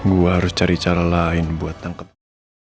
gue harus cari cara lain buat tangkep